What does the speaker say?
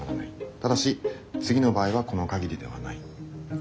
ただし次の場合はこの限りではない。